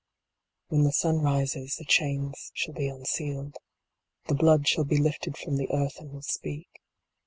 When the sun rises the chains shall be unsealed. The blood shall be lifted from the earth and will speak.